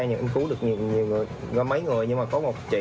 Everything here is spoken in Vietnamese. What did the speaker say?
nhưng mà có một chị